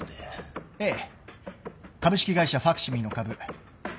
ええ株式会社ファクシミリの株。